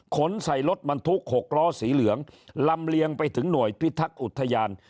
ใส่รถบรรทุก๖ล้อสีเหลืองลำเลียงไปถึงหน่วยพิทักษ์อุทยาน